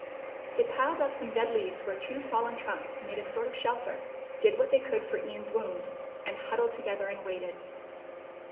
They piled up some dead leaves where two fallen trunks made a sort of shelter, did what they could for Ian's wound and huddled together and waited.